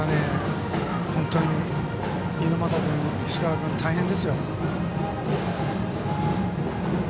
本当に猪俣君、石川君大変ですよ。